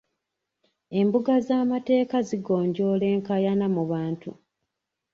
Embuga z'amateeka zigonjoola enkaayana mu bantu.